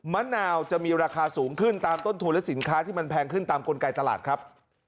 มะนาวจะมีราคาสูงขึ้นตามต้นทุนและสินค้าที่มันแพงขึ้นตามกลไกตลาดครับ